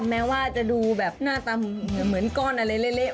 แม้ว่าจะดูแบบหน้าตำเหมือนก้อนอะไรเละ